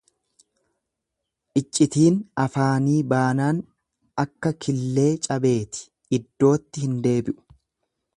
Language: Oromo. Iccitiin afaanii baanaan akka killee cabeeti, iddootti hin deebi'u.